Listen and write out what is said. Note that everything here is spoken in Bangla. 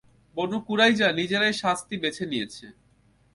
বনু কুরাইযা নিজেরাই শাস্তি বেছে নিয়েছে।